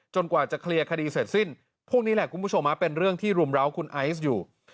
กว่าจะเคลียร์คดีเสร็จสิ้นพวกนี้แหละคุณผู้ชมเป็นเรื่องที่รุมร้าวคุณไอซ์อยู่